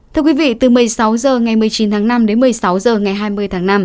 thưa quý vị từ một mươi sáu h ngày một mươi chín tháng năm đến một mươi sáu h ngày hai mươi tháng năm